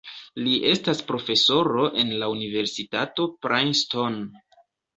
Li estas profesoro en la Universitato Princeton.